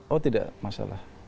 oh tidak masalah